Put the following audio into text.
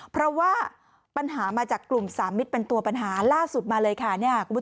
เพราะว่าปัญหามาจากกลุ่มสามมิตรเป็นตัวปัญหาล่าสุดมาเลยค่ะ